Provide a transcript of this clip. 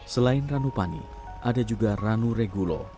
selain ranupani ada juga ranu regulo